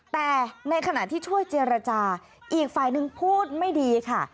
แต่ในขณะที่ช่วยเจรจาอีกฝ่ายนึงพูดไม่ดีค่ะ